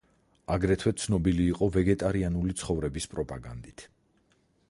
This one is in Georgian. აგრეთვე ცნობილი იყო ვეგეტარიანული ცხოვრების პროპაგანდით.